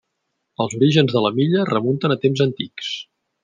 Els orígens de la milla remunten a temps antics.